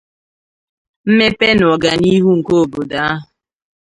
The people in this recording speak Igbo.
mmepe na ọganihu nke obodo ahụ.